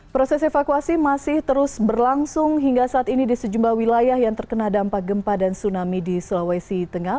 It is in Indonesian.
proses evakuasi masih terus berlangsung hingga saat ini di sejumlah wilayah yang terkena dampak gempa dan tsunami di sulawesi tengah